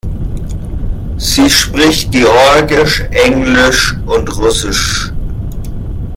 Sie spricht georgisch, englisch und russisch.